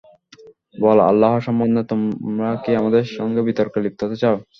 বল, Allah সম্বন্ধে তোমরা কি আমাদের সঙ্গে বিতর্কে লিপ্ত হতে চাও?